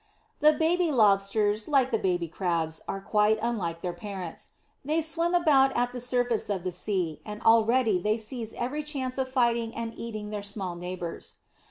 The baby Lobsters, like the baby Crabs, are quite unlike their parents. They swim about at the surface of the sea, and already they seize every chance of fighting and eating their small neighbours.